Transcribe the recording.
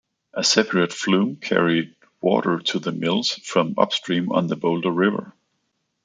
A separate flume carried water to the mills from upstream on the Boulder River.